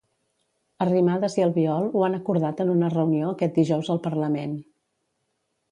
Arrimadas i Albiol ho han acordat en una reunió aquest dijous al Parlament.